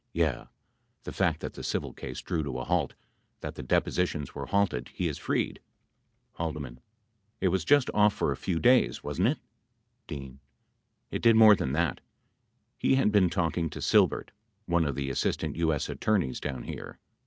Yeah. The fact that the civil case drew to a halt — that the depositions were halted he is freed. II. It was just off for a few days, wasn't it? D. It did more than that — he had been talking to Silbert, one of the Assistant U.S. Attorneys down here.